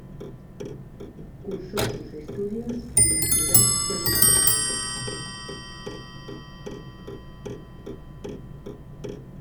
Cursó sus estudios en la ciudad de Buenos Aires.